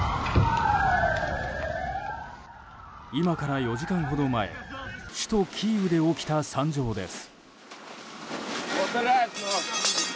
今から４時間ほど前首都キーウで起きた惨状です。